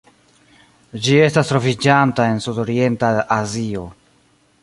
Ĝi estas troviĝanta en Sudorienta Azio.